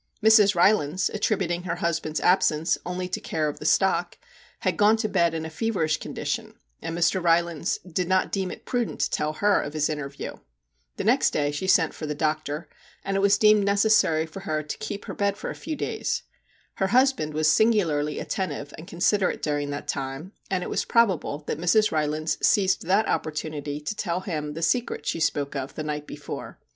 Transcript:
Mrs. Rylands, attributing her husband's absence only to care of the stock, had gone to bed in a feverish condition, and Mr. Rylands did not deem it prudent to tell her of his interview. The next day she sent for the doctor, and it was deemed necessary for her to keep her bed 64 MR. JACK HAMLIN'S MEDIATION for a few days. Her husband was singularly attentive and considerate during that time, and it was probable that Mrs. Rylands seized that opportunity to tell him the secret she spoke of the night before.